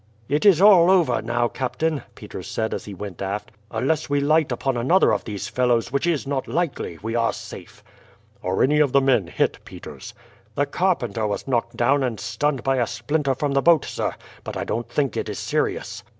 "It is all over now, captain," Peters said as he went aft. "Unless we light upon another of these fellows, which is not likely, we are safe." "Are any of the men hit, Peters?" "The carpenter was knocked down and stunned by a splinter from the boat, sir; but I don't think it is serious."